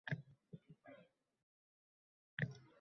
Vaholanki, ularning mazmuni bir xil.